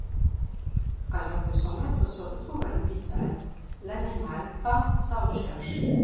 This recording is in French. Alors que son maître se retrouve à l'hôpital, l'animal part à sa recherche.